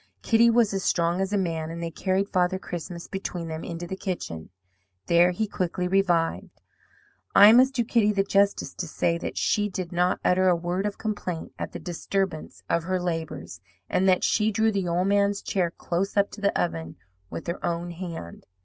Kitty was as strong as a man; and they carried Father Christmas between them into the kitchen. There he quickly revived. "I must do Kitty the justice to say that she did not utter a word of complaint at the disturbance of her labours; and that she drew the old man's chair close up to the oven with her own hand.